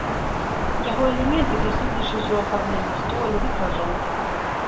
Яго элементы прысутнічаюць у афармленні столі, вітражоў.